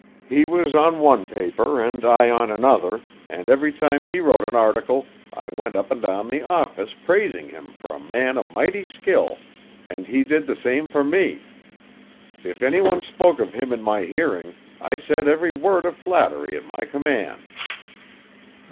He was on one paper and I on another, and every time he wrote an article I went up and down the office praising him for a man o' mighty skill, and he did the same for me. If anyone spoke of him in my hearing I said every word of flattery at my command.